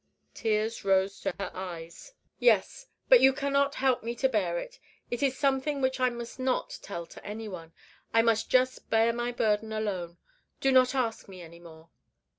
Tears rose to her eyes. "Yes; but you cannot help me to bear it. It is something which I must not tell to anyone. I must just bear my burden alone. Do not ask me any more."